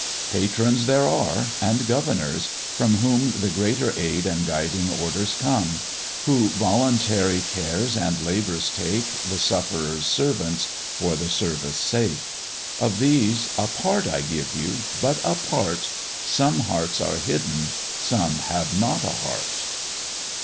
Patrons there are, and Governors, from, whom The greater aid and guiding orders come; Who voluntary cares and labours take, The sufferers' servants for the service' sake; Of these a, part I give you but a part, Some hearts are hidden, some have not a heart.